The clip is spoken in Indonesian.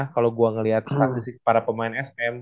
kalau gue ngeliat pada pemain spm